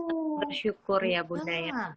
bersyukur ya bunda ya